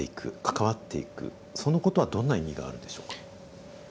そのことはどんな意味があるんでしょうか。